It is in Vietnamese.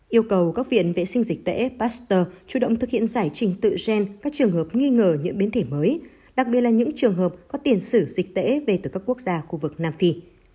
yêu cầu các viện vệ sinh dịch tễ pasteur chủ động thực hiện giải trình tự gen các trường hợp nghi ngờ những biến thể mới đặc biệt là những trường hợp có tiền sử dịch tễ về từ các quốc gia khu vực nam phi